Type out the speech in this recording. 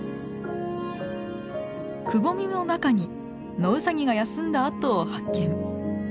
くぼみの中にノウサギが休んだ跡を発見。